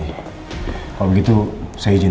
kalau begitu saya izin